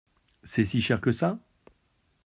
C’est si cher que ça ?